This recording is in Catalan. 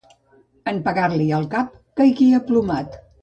En pegar-li al cap caigué aplomat.